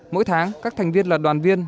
mỗi tháng các thành viên là đoàn viên